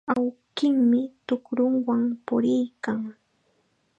Awkinmi tukrunwan puriykan.